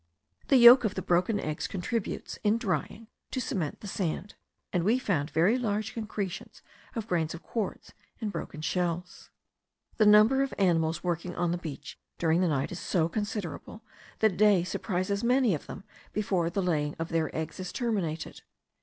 The yolk of the broken eggs contributes, in drying, to cement the sand; and we found very large concretions of grains of quartz and broken shells. The number of animals working on the beach during the night is so considerable, that day surprises many of them before the laying of their eggs is terminated.